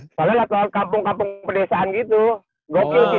soalnya lah kalau kampung kampung pedesaan gitu gokil sih